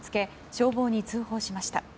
消防に通報しました。